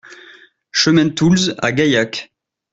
Chemin Toulze à Gaillac